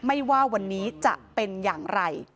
ไม่ว่าวันนี้จะเป็นอย่างไร